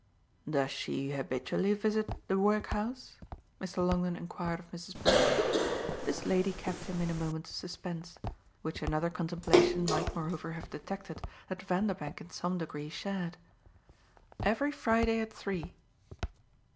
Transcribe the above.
"Does she habitually visit the workhouse?" Mr. Longdon enquired of Mrs. Brook. This lady kept him in a moment's suspense, which another contemplation might moreover have detected that Vanderbank in some degree shared. "Every Friday at three."